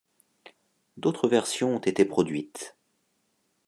D'autres versions ont été produites.